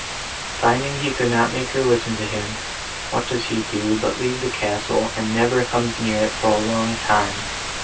Finding he could not make her listen to him—what does he do, but leave the castle, and never comes near it for a long time!